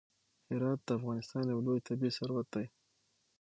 هرات د افغانستان یو لوی طبعي ثروت دی.